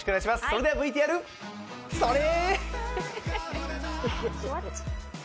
それではＶＴＲ、伝われ。